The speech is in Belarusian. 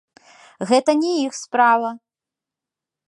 Гэта не іх справа!